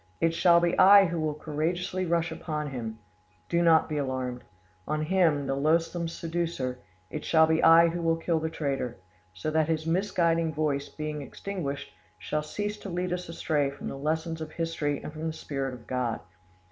It shall be I who will courageously rush upon him (do not be alarmed), on him, the loathsome seducer; it shall be I who will kill the traitor, so that his misguiding voice, being extinguished, shall cease to lead us astray from the lessons of history and from the Spirit of God.